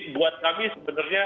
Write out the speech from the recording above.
buat kami sebenarnya